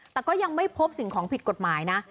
แต่ก็ยังไม่พบสิ่งของผิดกฎหมายนะ